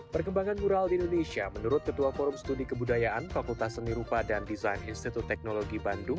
perkembangan mural di indonesia menurut ketua forum studi kebudayaan fakultas seni rupa dan diasa